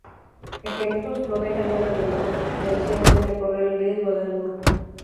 Ejemplos: "No deja nada al albur", "merecía la pena correr el riesgo al albur".